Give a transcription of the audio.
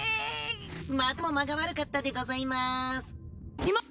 またも間が悪かったでございます。